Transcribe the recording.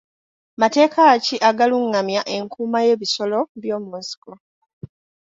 Mateeka ki agalungamya enkuuma y'ebisolo by'omu nsiko.